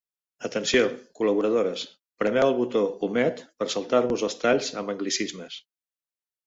Atenció, col·laboradores: premeu el botó 'omet' per saltar-vos els talls amb anglicismes.